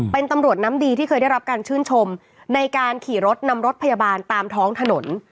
เป็นตำรวจน้ำดีที่เคยได้รับการชื่นชมในการขี่รถนำรถพยาบาลตามท้องถนน